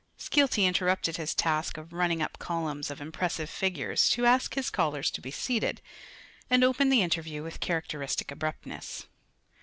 Skeelty interrupted his task of running up columns of impressive figures to ask his callers to be seated, and opened the interview with characteristic abruptness.